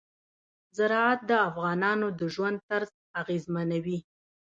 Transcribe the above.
زراعت د افغانانو د ژوند طرز اغېزمنوي.